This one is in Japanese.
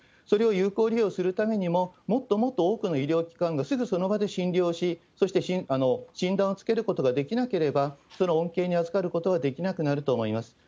それを有効利用するためにも、もっともっと多くの医療機関がすぐその場で診療し、そして診断をつけることができなければ、その恩恵にあずかることはできなくなると思います。